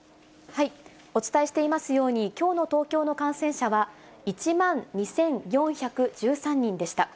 お伝えしていますように、きょうの東京の感染者は１万２４１３人でした。